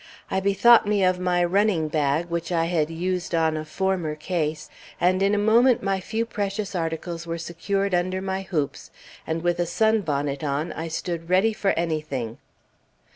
I bethought me of my "running bag" which I had used on a former case, and in a moment my few precious articles were secured under my hoops, and with a sunbonnet on, I stood ready for anything.